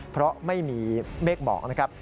เพราะไม่มีเมฆหมอกนะครับ